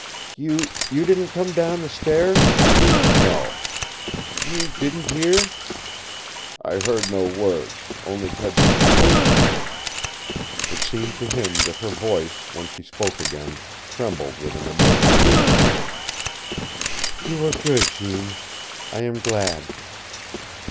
"You you didn't come down the stair?" "No." "You didn't hear?" "I heard no words. Only Kedsty's voice." It seemed to him that her voice, when she spoke again, trembled with an immeasurable relief. "You were good, Jeems. I am glad."